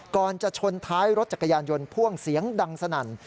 ก่อนจะชนท้ายรถจักรยานยนต์พ่วงเสียงดังสนั่น